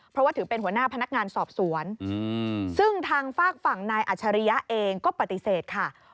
เพราะว่าถือเป็นหัวหน้าพนักงานสอบสวนซึ่งทางฝากฝั่งนายอัชริยะเองก็ปฏิเสธค่ะ